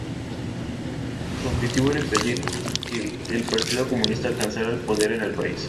Su objetivo era impedir que el Partido Comunista, alcanzara el poder en el país.